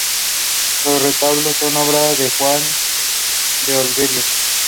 The search party goes out up in the hills looking for Brandon.